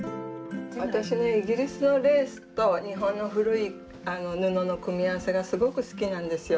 私ねイギリスのレースと日本の古い布の組み合わせがすごく好きなんですよ。